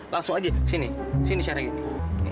langsung aja sini sini secara gini